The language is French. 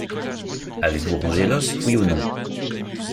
Avez-vous rongé l’os, oui ou non?